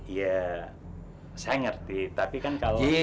ya saya ngerti tapi kan kalau